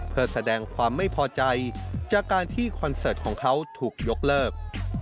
เพื่อแสดงความไม่พอใจจากการที่คอนเสิร์ตของเขาถูกยกเลิก